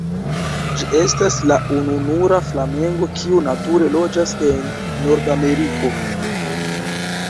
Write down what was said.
Ĝi estas la ununura flamengo kiu nature loĝas en Nordameriko.